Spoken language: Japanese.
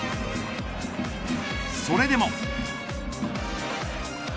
それでも。